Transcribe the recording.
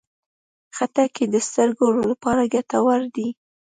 خټکی د سترګو لپاره ګټور دی.